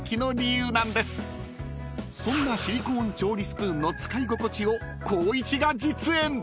［そんなシリコーン調理スプーンの使い心地を］